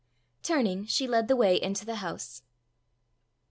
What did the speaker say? Turning, she led the way into the house.